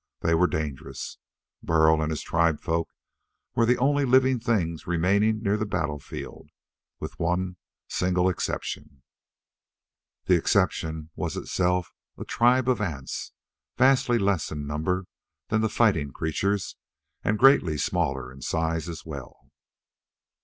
They were dangerous. Burl and his tribesfolk were the only living things remaining near the battle field with one single exception. That exception was itself a tribe of ants, vastly less in number than the fighting creatures, and greatly smaller in size as well.